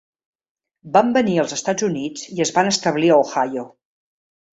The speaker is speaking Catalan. Van venir als Estats Units i es van establir a Ohio.